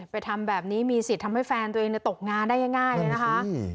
ทำแบบนี้มีสิทธิ์ทำให้แฟนตัวเองตกงานได้ง่ายเลยนะคะ